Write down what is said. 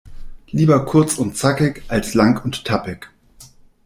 Lieber kurz und zackig als lang und tappig.